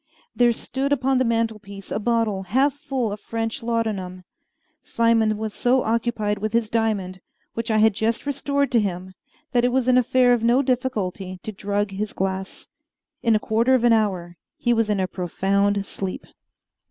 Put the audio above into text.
There stood upon the mantelpiece a bottle half full of French laudanum. Simon was so occupied with his diamond, which I had just restored to him, that it was an affair of no difficulty to drug his glass. In a quarter of an hour he was in a profound sleep.